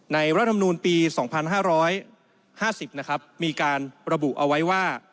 รัฐธรรมนูลปี๒๕๕๐นะครับมีการระบุเอาไว้ว่า